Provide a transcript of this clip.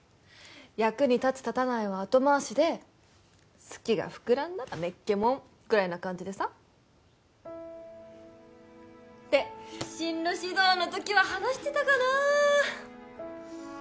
役に立つ立たないは後回しで好きが膨らんだらめっけもんぐらいな感じでさって進路指導の時は話してたかな